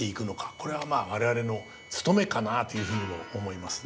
これは我々の務めかなというふうにも思いますね。